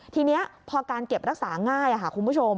ทีนี้พอการเก็บรักษาง่ายค่ะคุณผู้ชม